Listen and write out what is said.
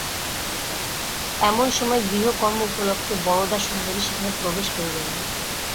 এমন সময় গৃহকর্ম-উপলক্ষে বরদাসুন্দরী সেখানে প্রবেশ করিলেন।